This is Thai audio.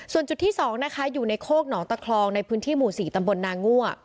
ส่วนจุดที่๒นะคะอยู่ในโคกหนองตะคลองในพื้นที่หมู่๔ตำบลนางั่ว